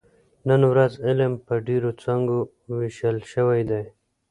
نن ورځ علم په ډېرو څانګو ویشل شوی دی.